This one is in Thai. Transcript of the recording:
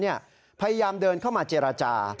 พยายามเดินเข้ามาเจรจา